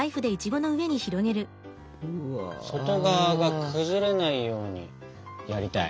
外側が崩れないようにやりたい。